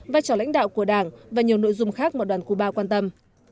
vai trò lãnh đạo của đảng và nhiều nội dung khác mà đoàn cuba quan tâm